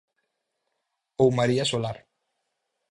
Ou María Solar.